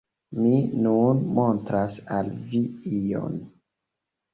Mi nun montras al vi ion...